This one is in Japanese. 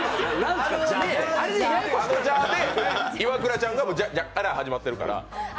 あの「じゃ」でイワクラちゃんが「じゃ」で始まってるから。